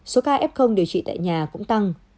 số ca f điều trị tại nhà cũng tăng